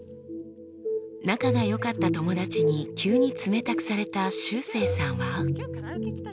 仲が良かった友達に急に冷たくされたしゅうせいさんは。